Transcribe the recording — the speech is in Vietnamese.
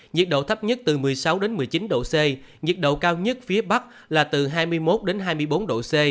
nhiệt độ thấp nhất từ một mươi sáu một mươi chín độ c nhiệt độ cao nhất phía bắc là từ hai mươi một đến hai mươi bốn độ c